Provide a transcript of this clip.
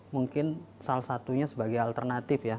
mungkin salah satunya sebagai alternatif ya